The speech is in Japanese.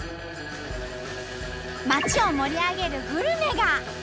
街を盛り上げるグルメが！